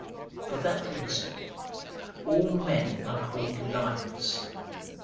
For that reason, all men are called liars (Ps.